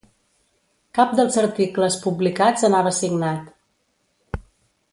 Cap dels articles publicats anava signat.